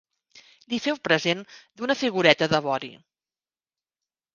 Li feu present d'una figureta de vori.